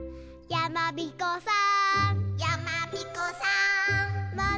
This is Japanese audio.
「やまびこさーん」